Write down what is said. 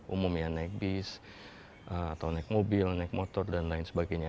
umumnya naik bis atau naik mobil naik motor dan lain sebagainya